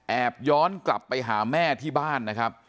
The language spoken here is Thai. แอบย้อนกลับไปหาแม่ที่บ้าน